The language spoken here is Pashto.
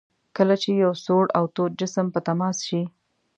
کله چې یو سوړ او تود جسم په تماس شي.